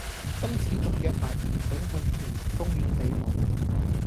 今次仲約埋城城去屯門公園比舞